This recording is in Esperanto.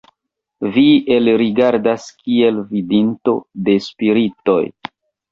vi elrigardas, kiel vidinto de spiritoj!